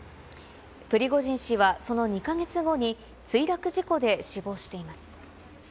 プリゴジン氏は、その２か月後に、墜落事故で死亡しています。